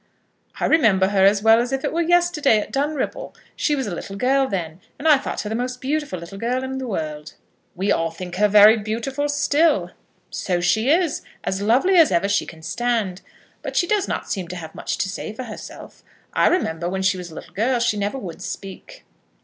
"I remember her as well as if it were yesterday, at Dunripple. She was a little girl then, and I thought her the most beautiful little girl in the world." "We all think her very beautiful still." "So she is; as lovely as ever she can stand. But she does not seem to have much to say for herself. I remember when she was a little girl she never would speak."